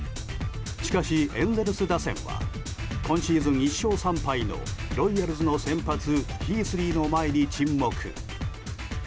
しかしエンゼルス打線は今シーズン１勝３敗のロイヤルズの先発ヒースリーの前に沈黙。